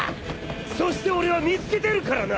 そして俺は見つけてるからな！